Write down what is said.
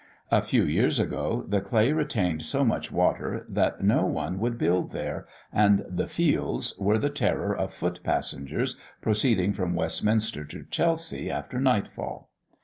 A few years ago, the clay retained so much water that no one would build there, and "the Fields" were the terror of foot passengers proceeding from Westminster to Chelsea after nightfall.